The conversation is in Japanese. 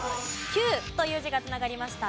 「球」という字が繋がりました。